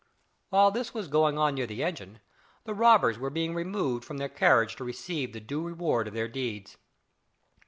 While this was going on near the engine, the robbers were being removed from their carriage to receive the due reward of their deeds.